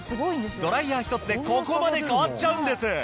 ドライヤーひとつでここまで変わっちゃうんです。